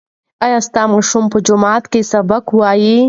ایا ستا ماشوم په جومات کې سبق وایي؟